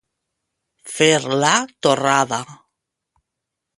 Fer la torrada.